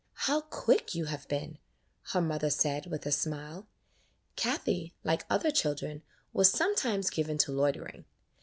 "How quick you have been," her mother said, with a smile. Kathie, like other children was sometimes given to loitering.